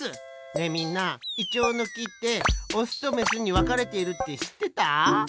ねえみんなイチョウのきってオスとメスにわかれているってしってた？